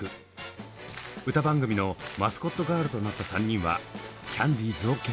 歌番組のマスコットガールとなった３人はキャンディーズを結成。